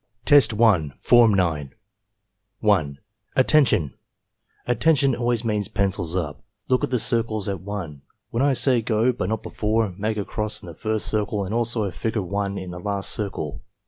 Test 1, Form 9 1. "Attention! 'Attention' always means 'Pencils up.' Look at the circles at 1. When I say 'go/ but not before, make a cross in the first circle and also a figure 1 in the last circle.